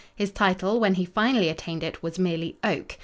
His title, when he finally attained it, was merely Oak.